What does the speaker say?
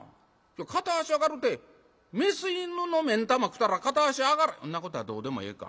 片足上がるてメス犬の目ん玉食うたら片足上がらんそんなことはどうでもええか。